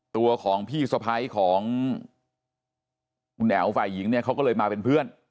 ตัวของพี่สะพ้ายของคุณแอ๋วฝ่ายหญิงเนี่ยเขาก็เลยมาเป็นเพื่อน